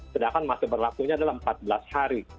sedangkan masa berlakunya adalah empat belas hari